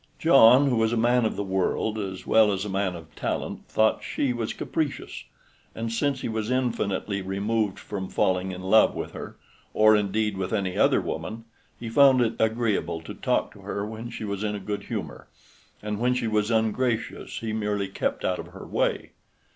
John, who was a man of the world as well as a man of talent, thought she was capricious, and since he was infinitely removed from falling in love with her, or indeed with any other woman, he found it agreeable to talk to her when she was in a good humor, and when she was ungracious he merely kept out of her way.